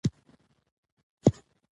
زه په خلکو پيسي بد نه وایم.